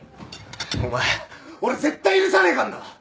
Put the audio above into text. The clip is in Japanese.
お前俺絶対許さねえからな！